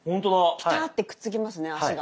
ピタってくっつきますね足が。